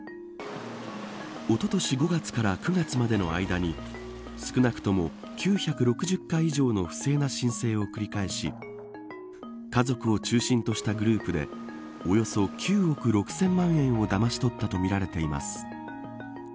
おととし５月から９月までの間に少なくとも９６０回以上の不正な申請を繰り返し家族を中心としたグループでおよそ９億６０００万円をだまし取ったとみられています。